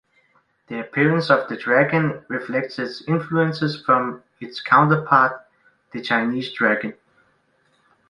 The appearance of the dragon reflects its influences from its counterpart, the Chinese dragon.